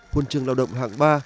quân trường lao động hạng ba